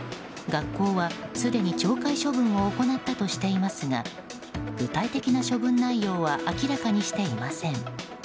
学校はすでに懲戒処分を行ったとしていますが具体的な処分内容は明らかにしていません。